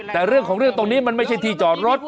แต่เรื่องของเรื่องตรงนี้มันไม่ใช่ที่จอดรถ